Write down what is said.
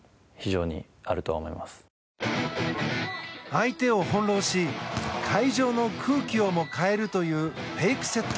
相手を翻弄し会場の空気をも変えるというフェイクセット。